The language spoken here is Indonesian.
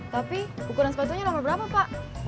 tapi ukuran sepatunya nomor berapa pak